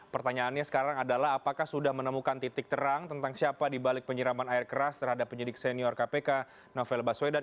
pertanyaannya sekarang adalah apakah sudah menemukan titik terang tentang siapa dibalik penyiraman air keras terhadap penyidik senior kpk novel baswedan